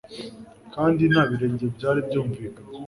kandi nta birenge byari byumvikanye.